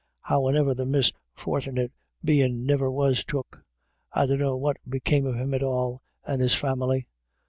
Howane'er, the misfortnit bein' niver was took. I dunno what became of him at all, and his family.